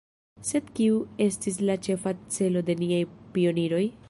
Sed kiu estis la ĉefa celo de niaj pioniroj?